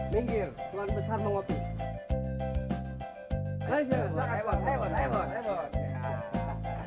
minggir tuan besar mau ngopi